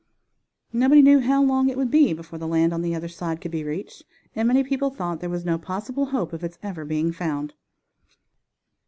Nobody knew how long it would be before the land on the other side could be reached, and many people thought there was no possible hope of its ever being found.